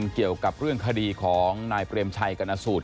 เกี่ยวกับเรื่องคดีของนายเปรมชัยกรณสูตร